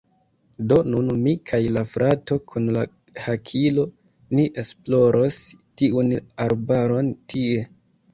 Do nun mi kaj la frato kun la hakilo, ni esploros tiun arbaron tie.